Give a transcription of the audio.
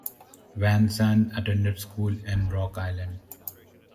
Van Sant attended school in Rock Island.